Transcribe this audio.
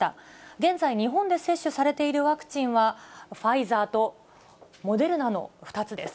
現在、日本で接種されているワクチンは、ファイザーとモデルナの２つです。